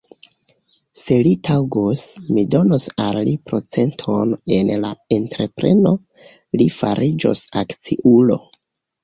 Se li taŭgos, mi donos al li procenton en la entrepreno; li fariĝos akciulo.